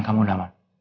kamu udah aman